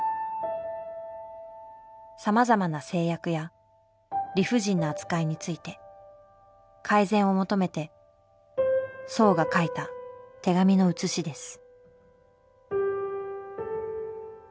様々な制約や理不尽な扱いについて改善を求めて荘が書いた手紙の写しです。